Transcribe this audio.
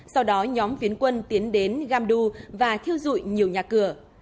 sau đó nhóm phiến quân tiến đến gamdu và thiêu dụi nhiều nhà cửa